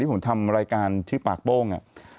ผมทำรายการชื่อปากโป้ง